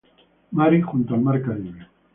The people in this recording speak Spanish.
Mary, junto al Mar Caribe.